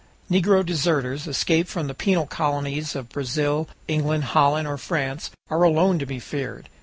Negro deserters, escaped from the penal colonies of Brazil, England, Holland, or France, are alone to be feared.